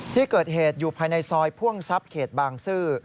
ที่เกิดเหตุอยู่ภายในซอยพ่วงทรัพย์เขตบางซื่อ